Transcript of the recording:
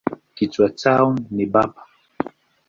Kichwa chao ni bapa.